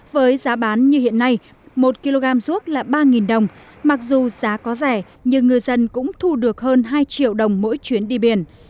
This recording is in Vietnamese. với giá bán như hiện nay một kg ruốc là ba đồng mặc dù giá có rẻ nhưng ngư dân cũng thu được hơn hai triệu đồng mỗi chuyến đi biển